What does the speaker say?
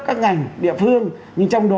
các ngành địa phương